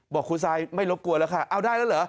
บอกครูซายไม่รบกวนแล้วค่ะเอาได้แล้วเหรอ